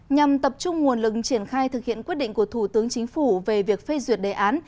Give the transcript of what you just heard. nhằm tập trung nguồn lực triển khai thực hiện quyết định của thủ tướng chính phủ về việc phê duyệt đề án